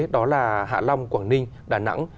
đó là hạ long quảng ninh đà nẵng